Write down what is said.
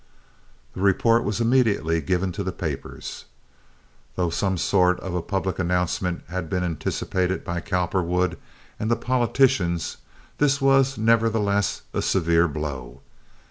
This report was immediately given to the papers. Though some sort of a public announcement had been anticipated by Cowperwood and the politicians, this was, nevertheless, a severe blow.